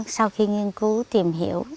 sau đó sau khi nghiên cứu tìm hiểu